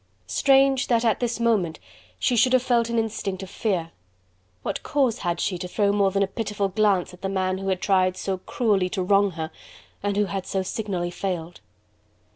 Strange that at this moment she should have felt an instinct of fear. What cause had she to throw more than a pitiful glance at the man who had tried so cruelly to wrong her, and who had so signally failed?